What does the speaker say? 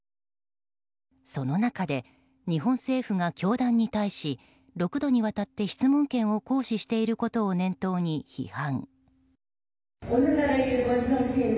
その中で、日本政府が教団に対し６度にわたって質問権を行使していることを念頭に批判。